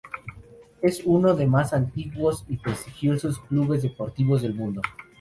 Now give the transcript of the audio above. Es uno de más antiguos y prestigiosos clubes deportivos del mundo.